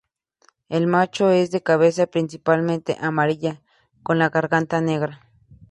El macho es de cabeza principalmente amarilla, con la garganta negra.